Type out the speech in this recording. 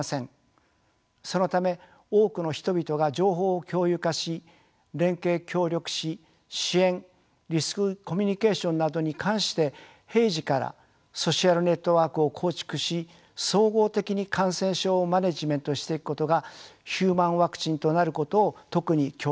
そのため多くの人々が情報を共有化し連携協力し支援リスクコミュニケーションなどに関して平時からソシアルネットワークを構築し総合的に感染症をマネージメントしていくことがヒューマンワクチンとなることを特に強調したいと思います。